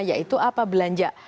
yaitu apa belanja